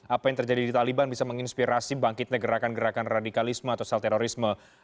apa yang terjadi di taliban bisa menginspirasi bangkitnya gerakan gerakan radikalisme atau sel terorisme